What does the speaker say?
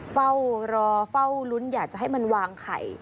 เฝ้ารอเฝ้าลุ้นอยากจะให้มันวางไข่